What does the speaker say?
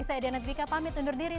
saya diana dwika pamit undur diri